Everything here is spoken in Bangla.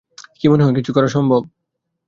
কী মনে হয়, কিছু করা সম্ভব?